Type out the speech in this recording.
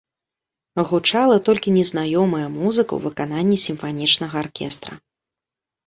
Гучала толькі незнаёмая музыка ў выкананні сімфанічнага аркестра.